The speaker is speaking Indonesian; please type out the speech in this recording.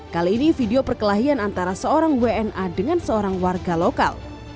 kali ini video perkelahian antara seorang wna dengan seorang warga lokal